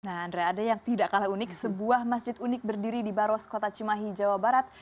nah andre ada yang tidak kalah unik sebuah masjid unik berdiri di baros kota cimahi jawa barat